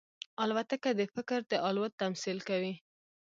الوتکه د فکر د الوت تمثیل کوي.